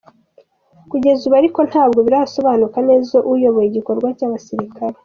Kugeza Abu ariko ntabwo birasobanuka neza uyoboye igikorwa cy’aba basirikare.